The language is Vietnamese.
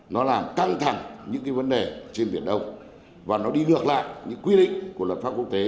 nó làm căng thẳng những cái vấn đề trên biển đông và nó đi ngược lại những quy định của luật pháp quốc tế